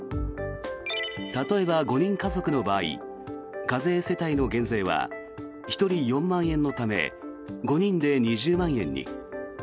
例えば５人家族の場合課税世帯の減税は１人４万円のため５人で２０万円に。